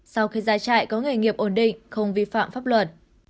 sau khi ra trại có nghề nghiệp ổn định không vi phạm pháp luật